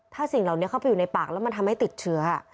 ถ้าสิ่งเหล่านี้เข้าไปอยู่ในปากแล้วมันทำให้ติดเชื้อ